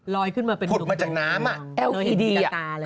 ลอยขึ้นมาเป็นลูกมือพุดมาจากน้ำอ่ะเป็นเหมือนโดยเห็นติดตาเลย